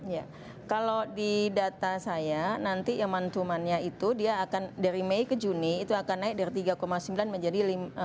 ya kalau di data saya nanti yang mantumannya itu dia akan dari mei ke juni itu akan naik dari tiga sembilan menjadi lima enam